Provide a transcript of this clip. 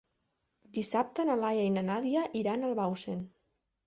Dissabte na Laia i na Nàdia iran a Bausen.